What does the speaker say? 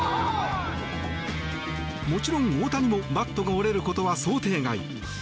もちろん、大谷もバットが折れることは想定外。